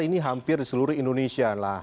ini hampir di seluruh indonesia lah